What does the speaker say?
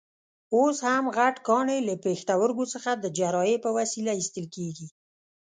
اوس هم غټ کاڼي له پښتورګو څخه د جراحۍ په وسیله ایستل کېږي.